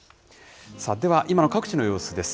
では、今の各地の様子です。